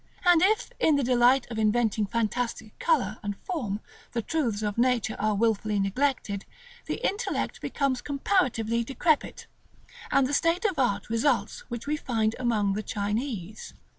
And if, in the delight of inventing fantastic color and form the truths of nature are wilfully neglected, the intellect becomes comparatively decrepit, and that state of art results which we find among the Chinese.